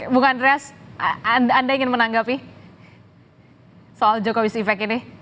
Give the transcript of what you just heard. bung andreas anda ingin menanggapi soal jokowis effect ini